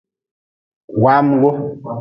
Wamgu.